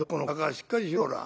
しっかりしろほら」。